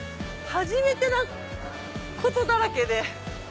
初めてなことだらけで。